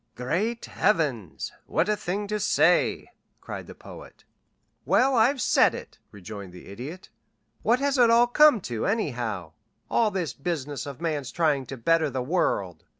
"Great Heavens! What a thing to say!" cried the Poet. "Well, I've said it," rejoined the Idiot. "What has it all come to, anyhow all this business of man's trying to better the world?